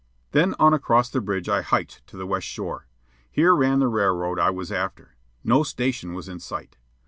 Then on across the bridge I hiked to the west shore. Here ran the railroad I was after. No station was in sight.